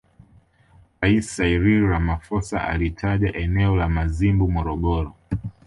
Rais Cyril Ramaphosa alilitaja eneo la Mazimbu Morogoro